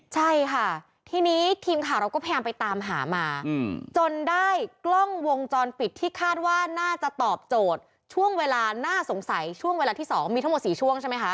ใช่ค่ะทีนี้ทีมข่าวเราก็พยายามไปตามหามาจนได้กล้องวงจรปิดที่คาดว่าน่าจะตอบโจทย์ช่วงเวลาน่าสงสัยช่วงเวลาที่๒มีทั้งหมด๔ช่วงใช่ไหมคะ